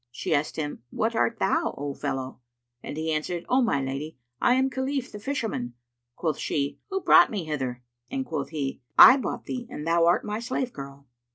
She asked him, "What art thou, O fellow?" and he answered, "O my lady, I am Khalif the Fisherman." Quoth she, "Who brought me hither?"; and quoth he, "I bought thee, and thou art my slave girl."